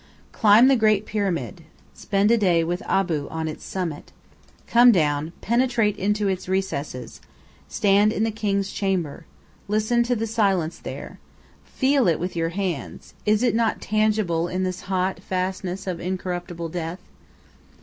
Climb the great Pyramid, spend a day with Abou on its summit, come down, penetrate into its recesses, stand in the king's chamber, listen to the silence there, feel it with your hands is it not tangible in this hot fastness of incorruptible death?